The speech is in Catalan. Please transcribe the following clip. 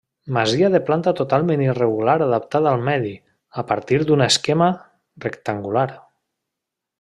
Masia de planta totalment irregular adaptada al medi, a partir d'un esquema rectangular.